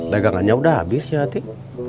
pegangannya udah abis ya hati